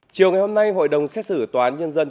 chiều ngày hôm nay hội đồng xét xử tòa án nhân dân